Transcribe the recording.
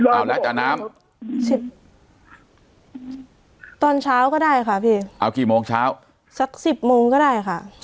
ตอนเช้าก็ได้ค่ะพี่เอากี่โมงเช้าสัก๑๐โมงก็ได้ค่ะ